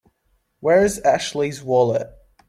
Where's Ashley's wallet?